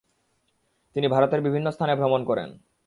তিনি ভারতের বিভিন্ন স্থানে ভ্রমণ করেন।